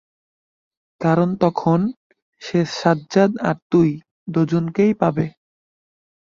কারণ তখন, সে সাজ্জাদ আর তুই, দুজনকেই পাবে।